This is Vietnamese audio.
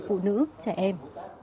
phụ nữ trẻ em